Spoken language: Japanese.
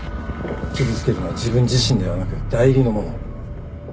傷つけるのは自分自身ではなく代理のもの。